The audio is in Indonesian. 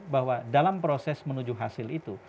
bahwa dalam proses menuju hasil itu